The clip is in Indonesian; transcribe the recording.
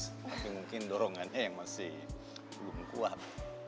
tapi mungkin dorongannya yang masih belum kuat